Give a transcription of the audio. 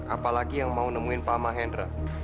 apalagi yang mau nemuin pak mahendra